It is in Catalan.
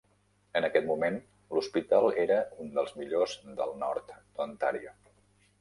En aquest moment l'hospital era un dels millors del nord d'Ontario.